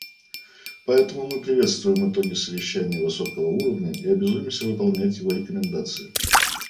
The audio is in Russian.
Поэтому мы приветствуем итоги Совещания высокого уровня и обязуемся выполнять его рекомендации.